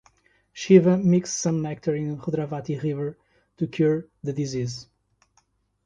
Shiva mixed some nectar in Rudrawati river to cure the disease.